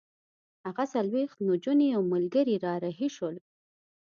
هغه څلوېښت نجونې او ملګري را رهي شول.